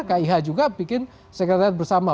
kih juga bikin sekretariat bersama